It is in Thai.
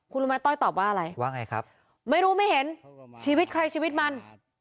คุณรู้ไหมต้อยตอบว่าอะไรว่าไงครับไม่รู้ไม่เห็นชีวิตใครชีวิตมัน